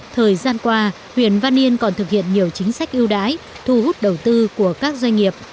thời gian qua huyện văn yên còn thực hiện nhiều chính sách ưu đãi thu hút đầu tư của các doanh nghiệp